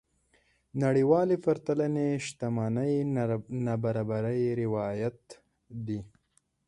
نړيوالې پرتلنې شتمنۍ نابرابرۍ روايت دي.